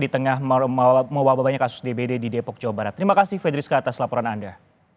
terima kasih fetriska atas laporan anda